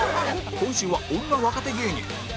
今週は女若手芸人